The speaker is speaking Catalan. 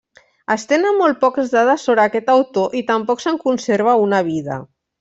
Es tenen molt poques dades sobre aquest autor i tampoc se'n conserva una vida.